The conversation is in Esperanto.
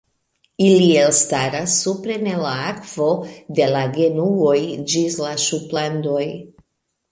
Ili elstaras supren el la akvo de la genuoj ĝis la ŝuplandoj.